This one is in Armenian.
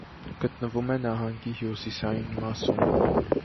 Գտնվում է նահանգի հյուսիսային մասում։